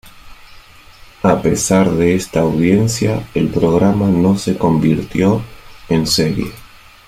A pesar de esta audiencia, el programa no se convirtió en serie.